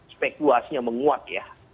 spek luasnya menguat ya